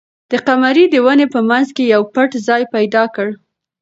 قمرۍ د ونې په منځ کې یو پټ ځای پیدا کړ.